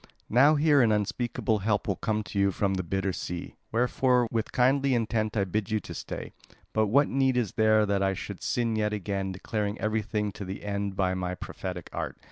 Now here an unspeakable help will come to you from the bitter sea; wherefore with kindly intent I bid you stay. But what need is there that I should sin yet again declaring everything to the end by my prophetic art?